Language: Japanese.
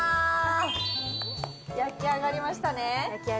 焼き上がりましたね。